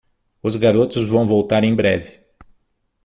Os garotos vão voltar em breve.